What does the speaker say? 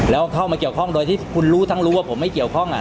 แล้วเข้ามาเกี่ยวข้องโดยที่คุณรู้ทั้งรู้ว่าผมไม่เกี่ยวข้อง